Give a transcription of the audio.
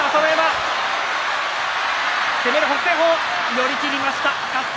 寄り切りました。